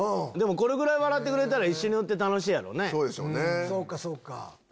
これぐらい笑ってくれたら一緒にいて楽しいやろうね。